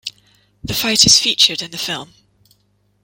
The fight is featured in the film.